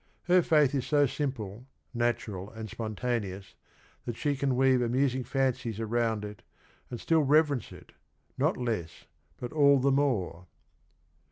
Her faith is s o simple, natural, and spontaneous that she can weave amusing fancies around it and still reverence it, not less, but all the more.